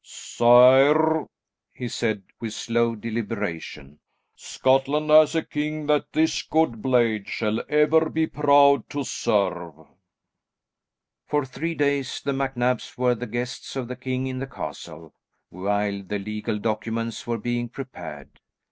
"Sire," he said, with slow deliberation, "Scotland has a king that this good blade shall ever be proud to serve." For three days, the MacNabs were the guests of the king in the castle, while the legal documents were being prepared.